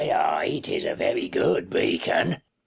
Ay, ay, 'tis a very good beacon.